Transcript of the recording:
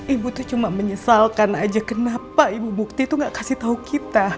ibu tuh cuma menyesalkan aja kenapa ibu bukti itu gak kasih tahu kita